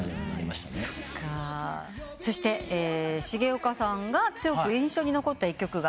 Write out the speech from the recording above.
そして重岡さんが強く印象に残った一曲が？